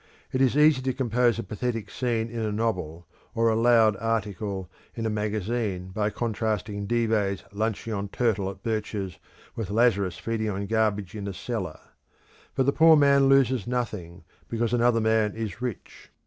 It is easy to compose a pathetic scene in a novel, or a loud article in a magazine by contrasting Dives lunching on turtle at Birch's with Lazarus feeding on garbage in a cellar. But the poor man loses nothing, because another man is rich.